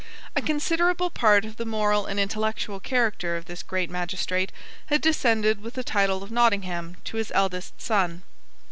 A considerable part of the moral and intellectual character of this great magistrate had descended with the title of Nottingham to his eldest son.